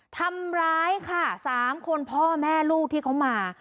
ทำร้ายค่ะ๓คนพ่อแม่ลูกที่เขามา